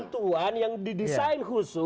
bantuan yang didesain khusus